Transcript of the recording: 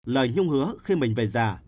lời nhung hứa khi mình về già